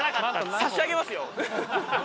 差し上げますよ。